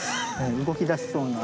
動きだしそうな。